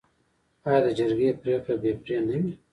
آیا د جرګې پریکړه بې پرې نه وي؟